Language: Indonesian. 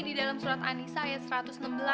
di dalam surat anissa ayat satu ratus enam belas